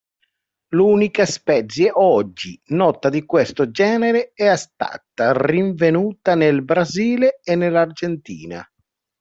L'unica specie oggi nota di questo genere è stata rinvenuta nel Brasile e nell'Argentina.